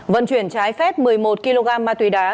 vận chuyển trái phép một mươi một kg ma túy đá